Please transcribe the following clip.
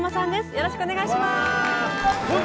よろしくお願いします。わ！